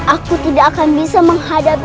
aku tidak akan bisa menghadapi